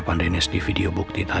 dan melakukan semua ini sama jessica